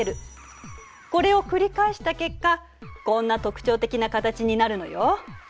これを繰り返した結果こんな特徴的な形になるのよ。